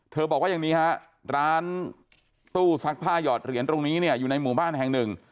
บอกว่าอย่างนี้ฮะร้านตู้ซักผ้าหยอดเหรียญตรงนี้เนี่ยอยู่ในหมู่บ้านแห่งหนึ่ง